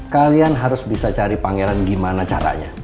kalian harus bisa cari pangeran gimana caranya